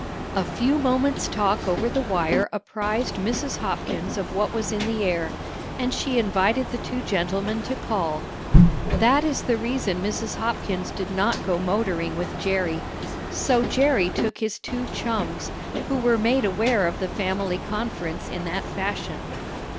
A few moments' talk over the wire apprised Mrs. Hopkins of what was in the air, and she invited the two gentlemen to call. That is the reason Mrs. Hopkins did not go motoring with Jerry. So Jerry took his two chums, who were made aware of the family conference in that fashion.